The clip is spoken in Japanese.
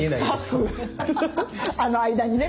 あの間にね